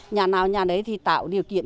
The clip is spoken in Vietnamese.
nhà nào nhà đấy thì tạo điều kiện